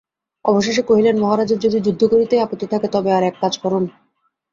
অবশেষে কহিলেন, মহারাজের যদি যুদ্ধ করিতেই আপত্তি থাকে, তবে আর-এক কাজ করুন।